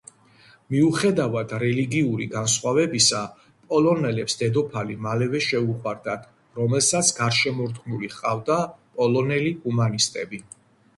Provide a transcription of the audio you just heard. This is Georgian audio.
მიუხედავად რელიგიური განსხვავებისა, პოლონელებს დედოფალი მალევე შეუყვარდათ, რომელსაც გარშემორტყმული ჰყავდა პოლონელი ჰუმანისტები.